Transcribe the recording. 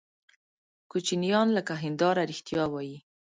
کوچنیان لکه هنداره رښتیا وایي.